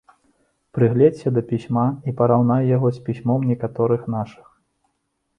Прыгледзься да пісьма і параўнай яго з пісьмом некаторых нашых.